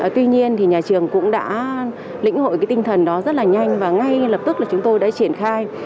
tuy nhiên thì nhà trường cũng đã lĩnh hội cái tinh thần đó rất là nhanh và ngay lập tức là chúng tôi đã triển khai